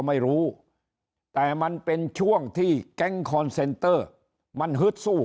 ไม่รู้แต่มันเป็นช่วงที่แก๊งคอนเซนเตอร์มันฮึดสู้